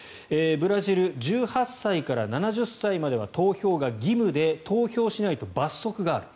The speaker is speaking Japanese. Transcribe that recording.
ブラジル１８歳から７０歳までは投票が義務で投票しないと罰則がある。